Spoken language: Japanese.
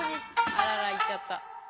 あらら行っちゃった。